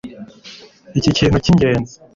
Iki nikintu cyingenzi